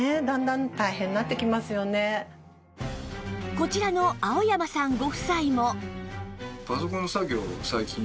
こちらの青山さんご夫妻も